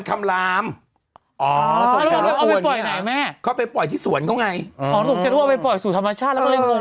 คำรามแบบตลอดอย่างนี้หรอ